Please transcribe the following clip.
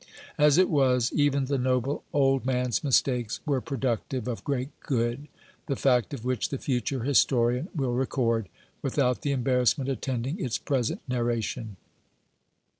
As it was, even the noble .old man's mistakes were productive of great good, the fact of which the future historian will re cord, without the embarrassment attending its present narra tion.